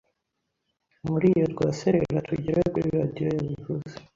muri iyo rwaserera tugere kuri Radiyo yabivuze